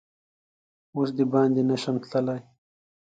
اوس دباندې نه شمه تللا ی